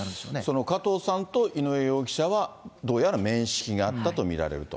その加藤さんと井上容疑者は、どうやら面識があったと見られると。